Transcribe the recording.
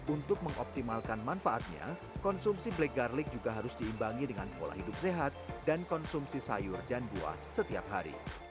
untuk mengoptimalkan manfaatnya konsumsi black garlic juga harus diimbangi dengan pola hidup sehat dan konsumsi sayur dan buah setiap hari